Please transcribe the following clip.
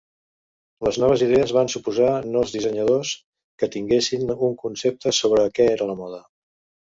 Les noves idees van suposar nous dissenyadors que tinguessin un concepte sobre què era la moda.